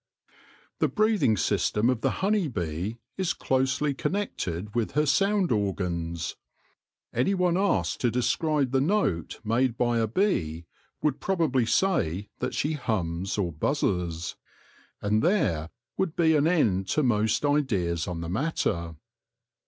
The breathing system of the honey bee is closely connected with her sound organs. Anyone asked to describe the note made by a bee would probably say that she hums or buzzes, and there would be an end to most ideas on the matter.